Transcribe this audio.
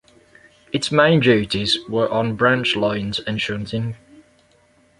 Its main duties were on branch lines and shunting.